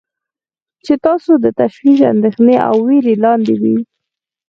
چې تاسو د تشویش، اندیښنې او ویرې لاندې وی.